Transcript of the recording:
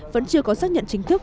vẫn chưa có xác nhận chính thức